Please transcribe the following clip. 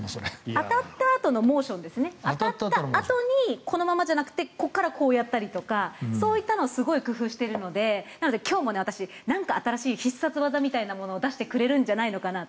当たったあとにこのままじゃなくてここからこうやったりとかそういったのをすごく工夫しているので今日も新しい必殺技みたいなものを出してくれるんじゃないのかと。